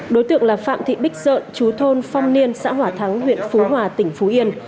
đối tượng là phạm thị bích dợn chú thôn phong niên xã hỏa thắng huyện phú hòa tỉnh phú yên